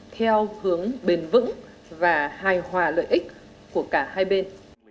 theo hướng bền vững và hài hòa lợi ích của cả hai bên